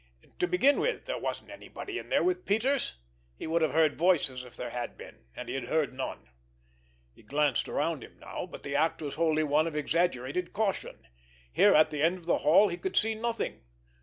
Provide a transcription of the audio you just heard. To begin with, there wasn't anybody in there with Peters. He would have heard voices if there had been, and he had heard none. He glanced around him now, but the act was wholly one of exaggerated caution. Here at the end of the hall he could see nothing.